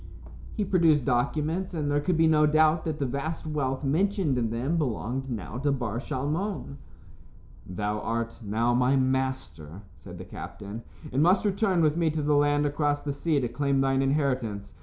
He produced documents, and there could be no doubt that the vast wealth mentioned in them belonged now to Bar Shalmon. "Thou art now my master," said the captain, "and must return with me to the land across the sea to claim thine inheritance.